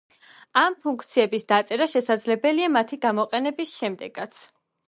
ამ ფუნქციების დაწერა შესაძლებელია მათი გამოყენების შემდეგაც.